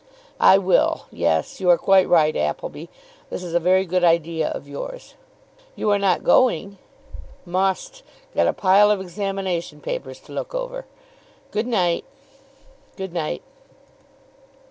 "I will. Yes. You are quite right, Appleby. That is a very good idea of yours. You are not going?" "Must. Got a pile of examination papers to look over. Good night." "Good night."